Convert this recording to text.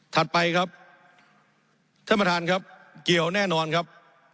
ไปครับท่านประธานครับเกี่ยวแน่นอนครับ